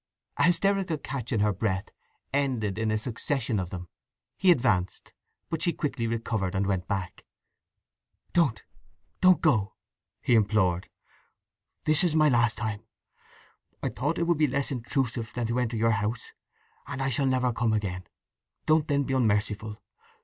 A hysterical catch in her breath ended in a succession of them. He advanced, but she quickly recovered and went back. "Don't go—don't go!" he implored. "This is my last time! I thought it would be less intrusive than to enter your house. And I shall never come again. Don't then be unmerciful.